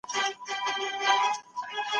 طبري د تاریخ او تفسیر لوی عالم و.